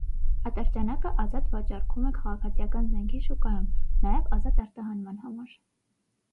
Ատրճանակը ազատ վաճառքում է քաղաքացիական զենքի շուկայում (նաև ազատ արտահանման համար)։